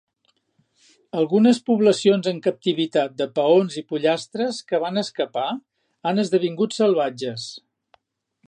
Algunes poblacions en captivitat de paons i pollastres que van escapar han esdevingut salvatges.